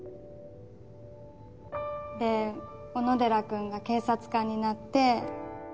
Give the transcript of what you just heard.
で小野寺君が警察官になって。